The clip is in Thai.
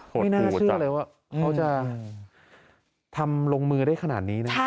ค่ะไม่น่าเชื่อเลยว่าเขาจะทำลงมือได้ขนาดนี้นะครับ